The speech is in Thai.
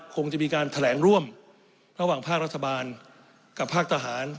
คงจะมีการแถลงร่วมระหว่างภาครัฐบาลกับภาคทหาร